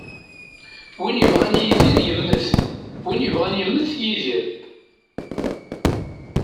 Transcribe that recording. Win yebɣan yidir yemmet, win yebɣan yemmet yidir.